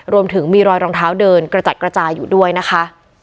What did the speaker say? รวมถึงมีรอยรองเท้าเดินกระจัดกระจายอยู่ด้วยนะคะ